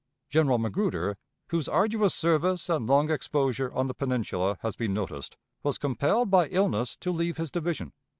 General Magruder, whose arduous service and long exposure on the Peninsula has been noticed, was compelled by illness to leave his division.